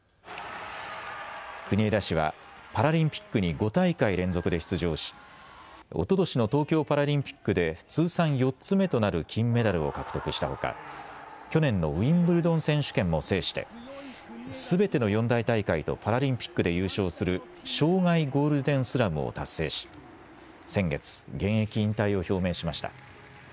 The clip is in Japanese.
国枝氏はパラリンピックに５大会連続で出場しおととしの東京パラリンピックで通算４つ目となる金メダルを獲得したほか去年のウィンブルドン選手権も制してすべての四大大会とパラリンピックで優勝する生涯ゴールデンスラムを達成し先月、現役引退を表明しました。